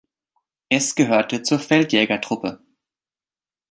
Es gehörte zur Feldjägertruppe.